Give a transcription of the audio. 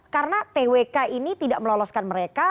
karena twk ini tidak meloloskan mereka